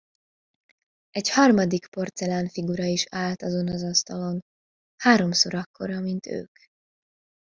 Egy harmadik porcelán figura is állt azon az asztalon, háromszor akkora, mint ők.